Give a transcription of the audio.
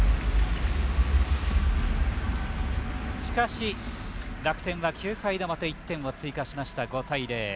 しかし、楽天は９回の表１点を追加しました、５対０。